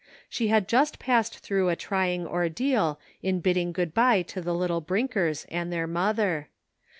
She had just passed through a trying ordeal in bidding good by to the little Brinkers and their mother.